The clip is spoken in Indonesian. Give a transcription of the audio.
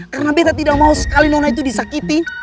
karena betta tidak mau sekali nona itu disakiti